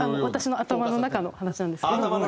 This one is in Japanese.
私の頭の中の話なんですけど。